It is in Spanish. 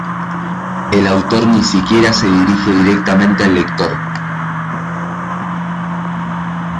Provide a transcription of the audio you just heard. El autor ni siquiera se dirige directamente al lector.